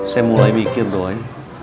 saya mulai mikir doy